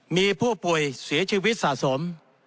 มีผู้ป่วยเสียชีวิตสะสม